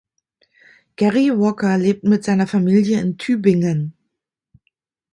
Garry Walker lebt mit seiner Familie in Tübingen.